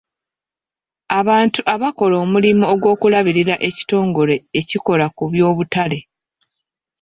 Abantu abakola omulimu ogw'okulabirira ekitongole ekikola ku by'obutale.